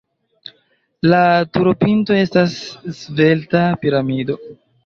La turopinto estas svelta piramido.